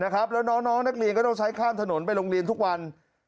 แล้วน้องนักเรียนก็ต้องใช้ข้ามถนนไปโรงเรียนทุกวัน